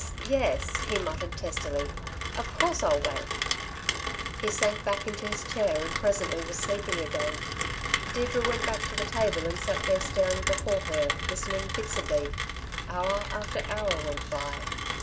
Yes!" he muttered testily. "Of course I'll wait." He sank back into his chair and presently was sleeping again. Deirdre went back to the table and sat there staring before her, listening fixedly. Hour after hour went by.